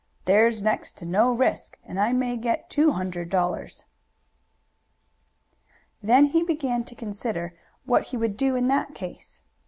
"There's next to no risk, and I may get two hundred dollars." Then he began to consider what he would do in that case.